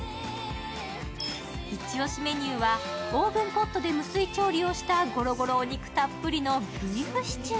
イチオシメニューは、オーブンポットで無水調理したゴロゴロお肉たっぷりのビーフシチュー。